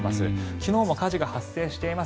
昨日も火事が発生しています。